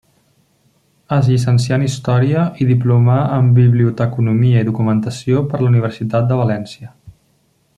Es llicencià en Història i diplomà en Biblioteconomia i Documentació per la Universitat de València.